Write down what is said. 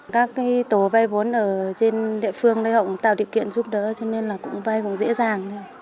các tổ vay vốn ở trên địa phương đã tạo điều kiện giúp đỡ cho nên là cũng vay cũng dễ dàng